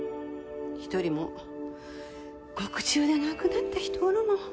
１人もう獄中で亡くなった人おるもん。